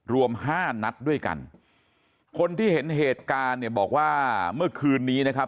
รวมห้านัดด้วยกันคนที่เห็นเหตุการณ์เนี่ยบอกว่าเมื่อคืนนี้นะครับ